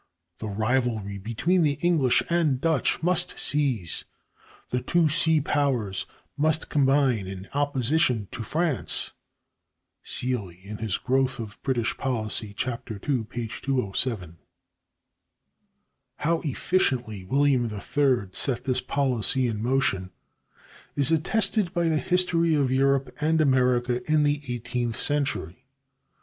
The rivalry between the English and Dutch must cease; the two sea powers must combine in opposition to France" (Seeley, "Growth of British Policy," II, p. 207). How efficiently William III set this policy in motion is attested by the history of Europe and America in the eighteenth century.